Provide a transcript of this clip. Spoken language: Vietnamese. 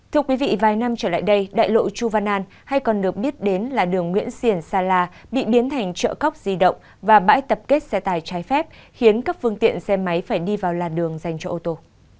thưa quý vị vài năm trở lại đây đại lộ chu văn an hay còn được biết đến là đường nguyễn xiển sala bị biến thành chợ cóc di động và bãi tập kết xe tài trái phép khiến các phương tiện xe máy phải đi vào làn đường dành cho ô tô